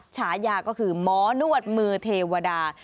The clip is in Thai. ฉายาก็คือหมอนวดมือเทวดา